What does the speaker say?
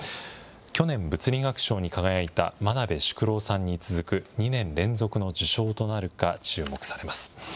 去年、物理学賞に輝いた真鍋淑郎さんに続く２年連続の受賞となるか、注目されます。